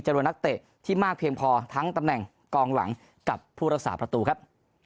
รวมนักเตะที่มากเพียงพอทั้งตำแหน่งกองหลังกับผู้รักษาประตูครับ